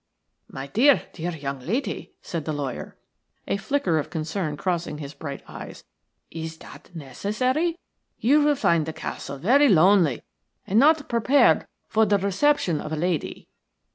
"My dear, dear young lady," said the lawyer, a flicker of concern crossing his bright eyes, "is that necessary? You will find the castle very lonely and not prepared for the reception of a lady."